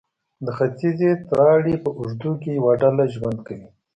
د ختیځې تراړې په اوږدو کې یوه ډله ژوند کوي.